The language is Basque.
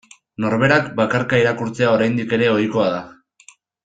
Norberak bakarka irakurtzea oraindik ere ohikoa da.